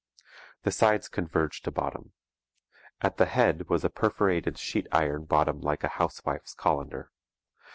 The sides converged to bottom. At the head was a perforated sheet iron bottom like a housewife's colander.